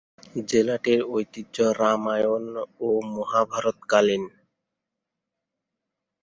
জেলাটির ঐতিহ্য রামায়ণ ও মহাভারত কালীন।